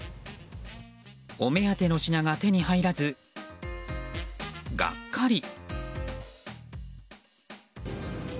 お目当ての品が手に入らずがっかり。